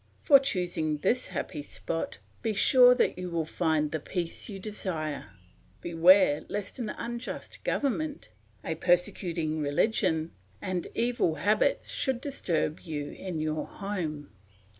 Before choosing this happy spot, be sure that you will find the peace you desire; beware lest an unjust government, a persecuting religion, and evil habits should disturb you in your home.